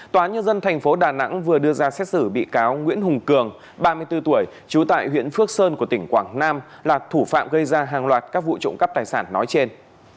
tòa nhân dân thành phố đà nẵng vừa đưa ra xét xử bị cáo nguyễn hùng cường ba mươi bốn tuổi trú tại huyện phước sơn của tỉnh quảng nam là thủ phạm gây ra hàng loạt các vụ trộm cắp tài sản nói trên